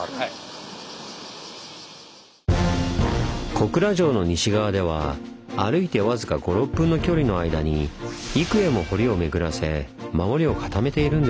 小倉城の西側では歩いて僅か５６分の距離の間に幾重も堀を巡らせ守りを固めているんです。